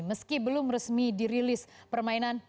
meski belum resmi dirilis permainan